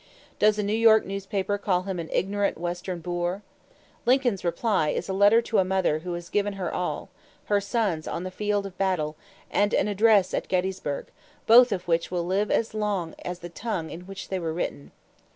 Does a New York newspaper call him an ignorant Western boor? Lincoln's reply is a letter to a mother who has given her all her sons on the field of battle and an address at Gettysburg, both of which will live as long as the tongue in which they were written.